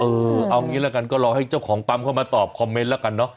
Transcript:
เอางี้ละกันก็รอให้เจ้าของปั๊มเข้ามาตอบคอมเมนต์แล้วกันเนอะ